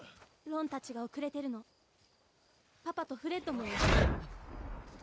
ロン達が遅れてるのパパとフレッドもよ